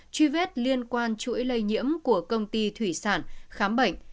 truy vết liên quan chuỗi lây nhiễm của công ty thủy sản khám bệnh